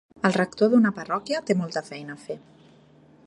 El rector d'una parròquia té molta feina a fer.